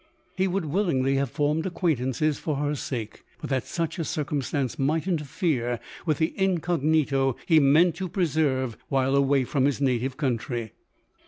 He would willingly have formed acquaintances for her sake, but that sucb a circumstance might interfere with the incognito he meant to preserve while away from his native country.